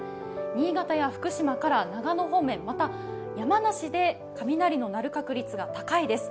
新潟や福島から長野方面、また、山梨で雷の鳴る確率が高いです。